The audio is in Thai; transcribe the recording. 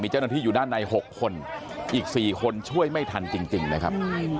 เจ้าหน้าที่อยู่ด้านใน๖คนอีก๔คนช่วยไม่ทันจริงนะครับ